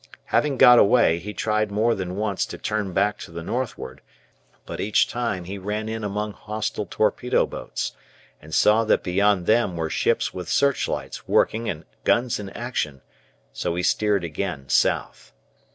Having got away, he tried more than once to turn back to the northward, but each time he ran in among hostile torpedo boats, and saw that beyond them were ships with searchlights working and guns in action, so he steered again south.